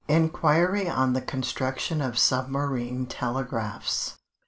_Inquiry on the Construction of Submarine Telegraphs.